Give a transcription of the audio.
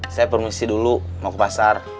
saya promosi dulu mau ke pasar